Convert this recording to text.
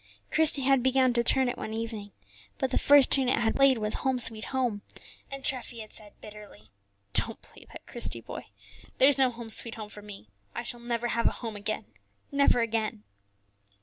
Christie had begun to turn it one evening, but the first tune it had played was "Home, sweet Home," and Treffy had said bitterly, "Don't play that, Christie, boy; there's no 'Home, sweet home,' for me; I shall never have a home again, never again."